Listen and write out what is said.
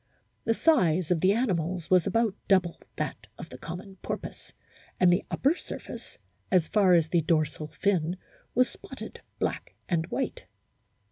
The size of the animals was about double that of the common porpoise, and the upper surface, as far as the dorsal fin, was spotted black and white.